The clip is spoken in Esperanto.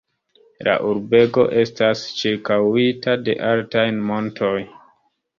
La urbego estas ĉirkaŭita de altaj montoj.